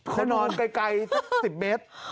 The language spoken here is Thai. จะนอนไกล๑๐เมตร